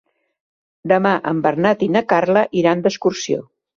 Demà en Bernat i na Carla iran d'excursió.